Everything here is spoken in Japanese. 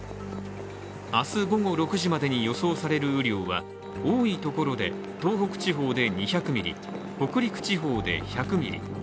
明日午後６時までに予想される雨量は多いところで東北地方で２００ミリ、北陸地方で１００ミリ。